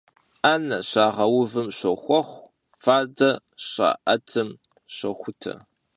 'ene şağeuvım şoxuex, fade şa'etım şoxute.